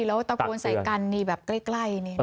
แล้วตะโกนใส่กันแบบใกล้